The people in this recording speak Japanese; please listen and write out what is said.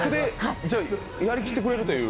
じゃあ、やりきってくれるという。